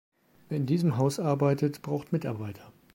Wer in diesem Haus arbeitet, braucht Mitarbeiter.